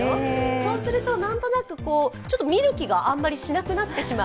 そうするとなんとなく、見る気があまりしなくなってしまう。